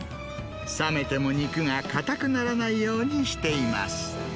冷めても肉が硬くならないようにしています。